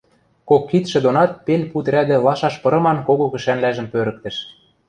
кок кидшӹ донат пел пуд рӓдӹ лашаш пырыман кого кӹшӓнвлӓжӹм пӧрӹктӹш